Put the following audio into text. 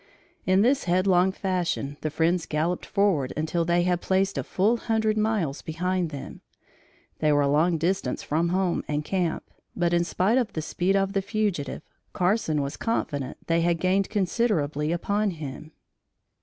In this headlong fashion the friends galloped forward until they had placed a full hundred miles behind them. They were a long distance from home and camp, but in spite of the speed of the fugitive, Carson was confident they had gained considerably upon him.